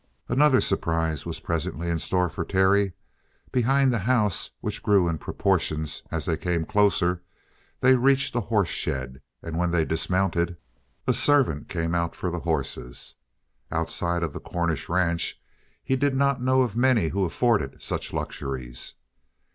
Another surprise was presently in store for Terry. Behind the house, which grew in proportions as they came closer, they reached a horse shed, and when they dismounted, a servant came out for the horses. Outside of the Cornish ranch he did not know of many who afforded such luxuries.